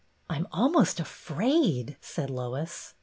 " I 'm almost afraid," said Lois.